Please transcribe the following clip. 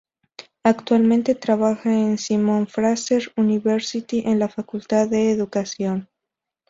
Actualmente, trabaja en la Simon Fraser University en la Facultad de Educación.